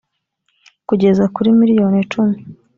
kugeza kuri miliyoni icumi